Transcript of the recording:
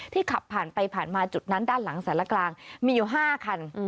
ขับผ่านไปผ่านมาจุดนั้นด้านหลังสารกลางมีอยู่๕คัน